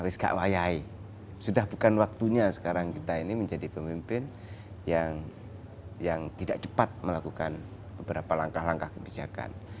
sudah bukan waktunya sekarang kita ini menjadi pemimpin yang tidak cepat melakukan beberapa langkah langkah kebijakan